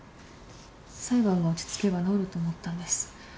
裁判が落ち着けば治ると思ったんです。